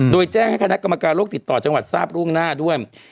โดยแจ้งให้คณะกรรมการโลกติดต่อจังหวัดทราบร่วงหน้าด้วย